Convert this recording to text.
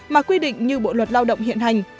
mà quy định như bộ luật lao động hiện hành